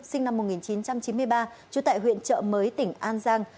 sinh năm một nghìn chín trăm chín mươi ba trú tại huyện trợ mới tỉnh an giang